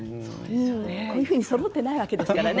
こういうふうにそろっていないわけですからね。